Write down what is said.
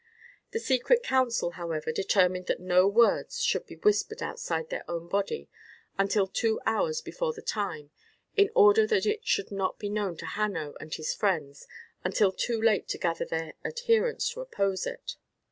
The secret council, however, determined that no words should be whispered outside their own body until two hours before the time, in order that it should not be known to Hanno and his friends until too late to gather their adherents to oppose it.